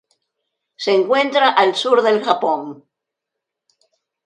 Se encuentra al sur del Japón.